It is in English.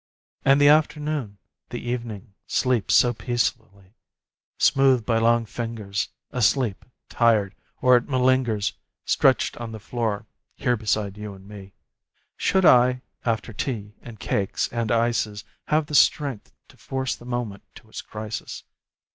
And the afternoon, the evening, sleeps so peacefully! Smoothed by long fingers, Asleep ... tired ... or it malingers, Stretched on the floor, here beside you and me. Should I, after tea and cakes and ices, Have the strength to force the moment to its crisis?